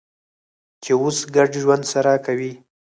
چې اوس ګډ ژوند سره کوي.